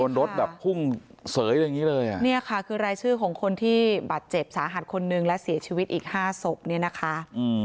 รถแบบพุ่งเสยอย่างนี้เลยอ่ะเนี่ยค่ะคือรายชื่อของคนที่บาดเจ็บสาหัสคนนึงและเสียชีวิตอีกห้าศพเนี่ยนะคะ